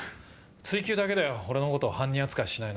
『追求』だけだよ俺のことを犯人扱いしないの。